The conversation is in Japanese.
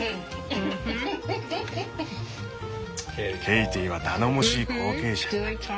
ケイティは頼もしい後継者。